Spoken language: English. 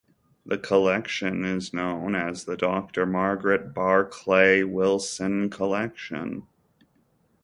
The collection is known as the Doctor Margaret Barclay Wilson Collection.